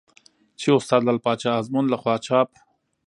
چې استاد لعل پاچا ازمون له خوا چاپ